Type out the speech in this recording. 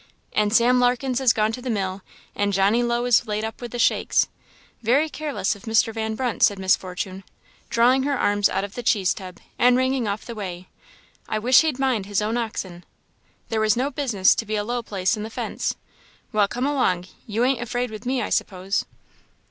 "And Sam Larkens is gone to the mill and Johnny Low is laid up with the shakes. Very careless of Mr. Van Brunt!" said Miss Fortune, drawing her arms out of the cheese tub, and wringing off the whey "I wish he'd mind his own oxen. There was no business to be a low place in the fence! Well come along! you ain't afraid with me, I suppose."